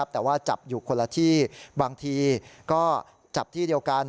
แต่ว่าจับอยู่คนละที่บางทีก็จับที่เดียวกัน